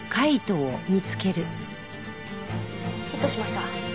ヒットしました。